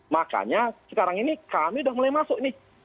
makanya sekarang ini kami sudah mulai masuk nih